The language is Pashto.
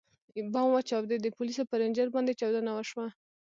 ـ بم وچاودېد، د پولیسو پر رینجر باندې چاودنه وشوه.